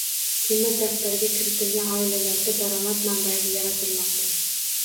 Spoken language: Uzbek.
Temir daftarga kiritilgan oilalarda daromad manbai yaratilmoqda